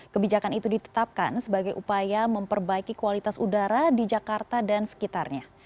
kebijakan itu ditetapkan sebagai upaya memperbaiki kualitas udara di jakarta dan sekitarnya